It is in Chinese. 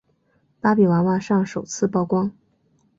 芭比娃娃上首次曝光。